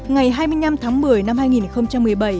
ngày hai mươi năm tháng một mươi năm hai nghìn một mươi bảy